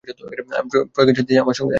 আমি প্রয়াগে যাইতেছি, আমার সঙ্গে আইস।